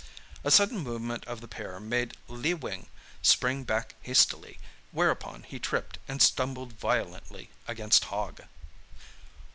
A sudden movement of the pair made Lee Wing spring back hastily, whereupon he tripped and stumbled violently against Hogg.